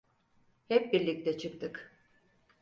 Hep birlikte çıktık.